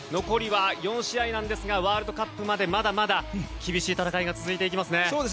残りは４試合なんですがワールドカップまでまだまだ厳しい戦いが続いていきますね。